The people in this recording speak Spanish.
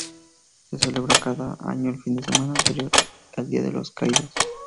Se celebra cada año el fin de semana anterior al Día de los Caídos.